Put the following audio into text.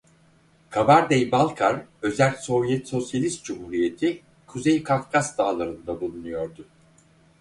Kabardey-Balkar Özerk Sovyet Sosyalist Cumhuriyeti Kuzey Kafkas dağlarında bulunuyordu.